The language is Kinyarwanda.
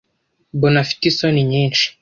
mbona afite isoni nyinshi,